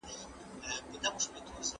حساب کتاب مې تل له ځان سره لرم.